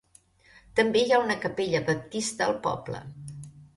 També hi ha una capella baptista al poble.